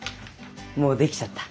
もう出来ちゃった。